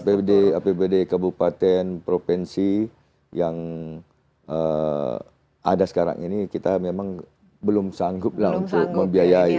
ya kalau melihat apbd kabupaten provinsi yang ada sekarang ini kita memang belum sanggup langsung membiayai